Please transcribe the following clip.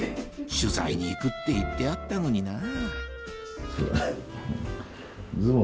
取材に行くって言ってあったのになぁ